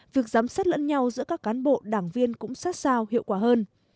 việc giám sát lẫn nhau giữa các cán bộ đảng viên cũng sát sao hiệu quả hơn